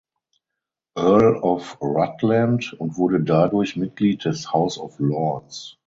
Earl of Rutland und wurde dadurch Mitglied des House of Lords.